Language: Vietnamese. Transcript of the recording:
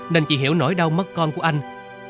nên chị hiểu nỗi đau mất con của anh